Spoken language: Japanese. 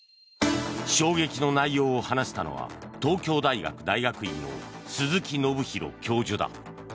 衝撃の内容を話したのは東京大学大学院の鈴木宣弘教授だ。